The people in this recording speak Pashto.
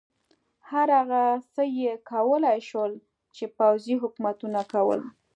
هر هغه څه یې کولای شول چې پوځي حکومتونو کول.